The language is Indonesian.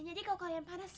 jadi kalau kalian panas